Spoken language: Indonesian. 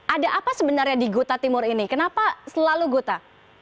ada apa sebenarnya di gota timur ini kenapa selalu guta